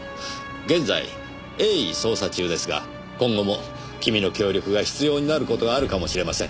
現在鋭意捜査中ですが今後も君の協力が必要になる事があるかもしれません。